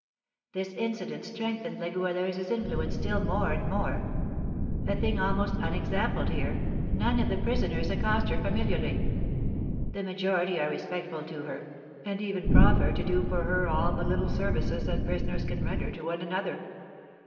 "This incident strengthened La Goualeuse's influence still more and more. A thing almost unexampled here, none of the prisoners accost her familiarly. The majority are respectful to her, and even proffer to do for her all the little services that prisoners can render to one another.